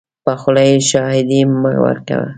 په خوله یې شاهدي مه ورکوه .